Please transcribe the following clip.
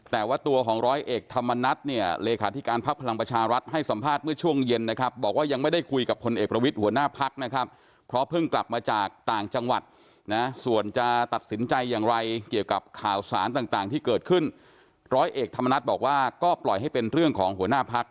แต่ว่าตัวของร้อยเอกธรรมนัฐเนี่ยเลขาธิการพักพลังประชารัฐให้สัมภาษณ์เมื่อช่วงเย็นนะครับบอกว่ายังไม่ได้คุยกับพลเอกประวิทย์หัวหน้าพักนะครับเพราะเพิ่งกลับมาจากต่างจังหวัดนะส่วนจะตัดสินใจอย่างไรเกี่ยวกับข่าวสารต่างที่เกิดขึ้นร้อยเอกธรรมนัฏบอกว่าก็ปล่อยให้เป็นเรื่องของหัวหน้าพัก